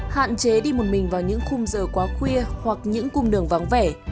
hạn chế đi một mình vào những khung giờ quá khuya hoặc những cung đường vắng vẻ